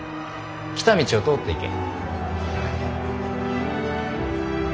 来た道を通っていけ。